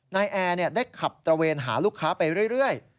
แอร์ได้ขับตระเวนหาลูกค้าไปเรื่อย